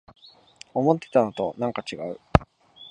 思ってたのとなんかちがう